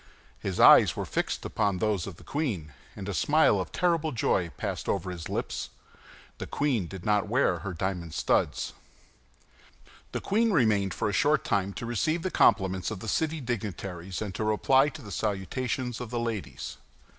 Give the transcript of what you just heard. His eyes were fixed upon those of the queen, and a smile of terrible joy passed over his lips; the queen did not wear her diamond studs. The queen remained for a short time to receive the compliments of the city dignitaries and to reply to the salutations of the ladies.